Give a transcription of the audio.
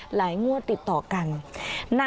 หลายงวดติดต่อกัน